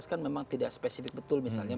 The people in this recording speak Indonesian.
kan memang tidak spesifik betul misalnya